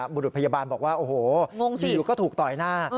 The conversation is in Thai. บุรุษพยาบาลบอกว่าโอ้โหงงสิวก็ถูกต่อยหน้า